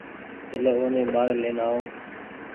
چلو اوني ٻآري لين آئو